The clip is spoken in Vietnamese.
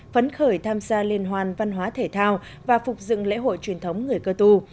phấn khởi tham gia liên hoàn văn hóa thể thao và phục dựng lễ hội truyền thống người cơ tu